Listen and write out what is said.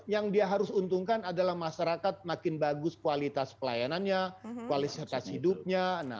yang dia harus untungkan adalah masyarakat makin bagus kualitas pelayanannya kualitas hidupnya